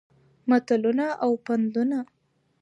متلونه او پندونه